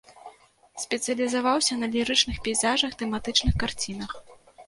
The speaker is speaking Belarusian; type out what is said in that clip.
Спецыялізаваўся на лірычных пейзажах, тэматычных карцінах.